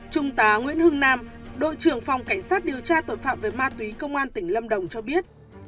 trung tá nguyễn hưng nam đội trưởng phòng cảnh sát điều tra tội phạm về ma túy công an tỉnh lâm đồng cho biết